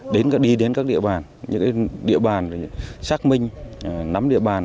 để đi đến các địa bàn xác minh nắm địa bàn